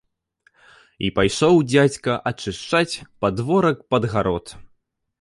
І пайшоў дзядзька ачышчаць падворак пад гарод.